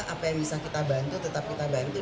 apa yang bisa kita bantu tetap kita bantu